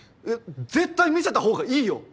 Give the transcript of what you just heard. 絶対見せた方がいいよ！